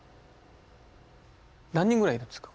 何人ぐらいいるんですか？